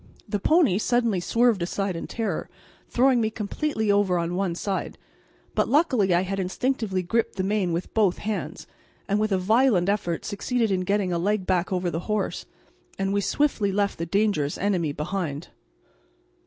The pony suddenly swerved aside in terror, throwing me completely over on one side, but luckily I had instinctively gripped the mane with both hands, and with a violent effort succeeded in getting a leg back over the horse, and we swiftly left the dangerous enemy behind.